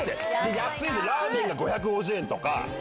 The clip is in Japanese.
安いんです、ラーメンが５５０円とか。